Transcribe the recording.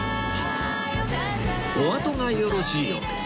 おあとがよろしいようで